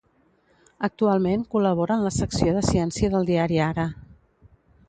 Actualment col·labora en la secció de ciència del diari Ara.